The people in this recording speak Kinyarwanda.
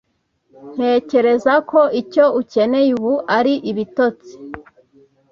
Ntekereza ko icyo ukeneye ubu ari ibitotsi.